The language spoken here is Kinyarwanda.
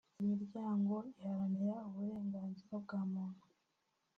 Imiryango iharanira uburenganzira bwa muntu